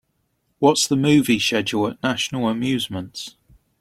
what's the movie schedule at National Amusements